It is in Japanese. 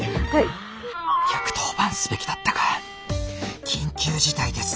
１１０番すべきだったか緊急事態です。